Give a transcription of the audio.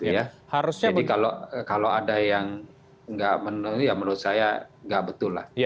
jadi kalau ada yang tidak menurut saya tidak betul lah